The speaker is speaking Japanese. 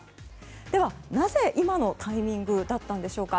では、なぜ今のタイミングだったのでしょうか。